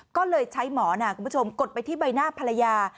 ก็เลยใช้หมอนคุณผู้ชมกดไปที่ใบหน้าภรรยา